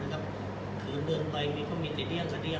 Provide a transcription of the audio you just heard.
บางไฟที่จะอยู่ในฐานแก่มมันมีโลโกะของบริษัทอันนี้อยู่ตรงนี้นะค่ะ